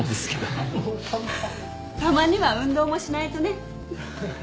たまには運動もしないとね。